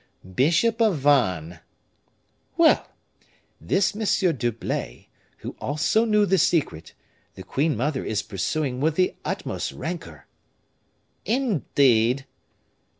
"Bishop of Vannes." "Well! this M. d'Herblay, who also knew the secret, the queen mother is pursuing with the utmost rancor." "Indeed!"